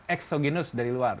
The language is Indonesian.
exogenus dari luar